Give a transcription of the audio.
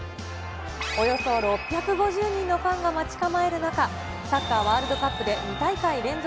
およそ６５０人のファンが待ち構える中、サッカーワールドカップで２大会連続